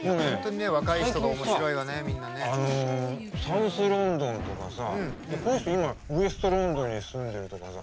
最近さ、サウスロンドンとかさこの人はウェストロンドンに住んでるとか。